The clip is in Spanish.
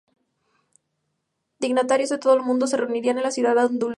Dignatarios de todo el mundo se reunirán en la ciudad andaluza.